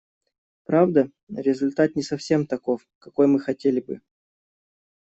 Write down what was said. Правда, результат не совсем таков, какой мы хотели бы.